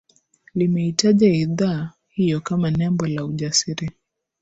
limeitaja idhaa hiyo kama nembo la ujasiri